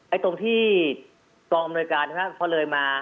ไอ้ตรงที่กองอำนวยการพอเลยมา